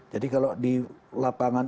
jadi kalau di lapangan